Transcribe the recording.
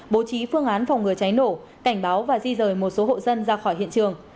bố trí phương án phòng ngừa cháy nổ cảnh báo và di rời một số hộ dân ra khỏi hiện trường